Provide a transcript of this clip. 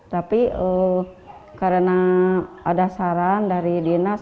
tapi karena ada saran dari dinas